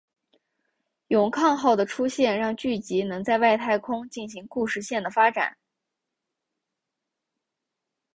勇抗号的出现让剧集能在外太空进行故事线的发展。